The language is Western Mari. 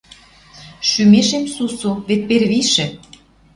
Шӱмешем сусу, вет первишӹ